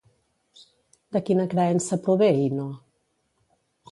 De quina creença prové Ino?